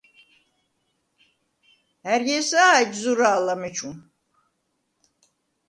ა̈რი ესა̄ ეჯ ზურა̄ლ ამეჩუ?